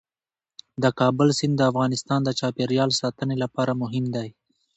د کابل سیند د افغانستان د چاپیریال ساتنې لپاره مهم دی.